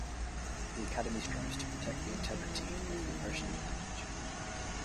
The academy strives to protect the integrity of the Persian language.